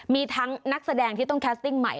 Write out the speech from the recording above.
มีทั้งนักแสดงที่ต้องแคสติ้งใหม่